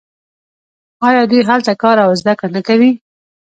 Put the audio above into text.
آیا دوی هلته کار او زده کړه نه کوي؟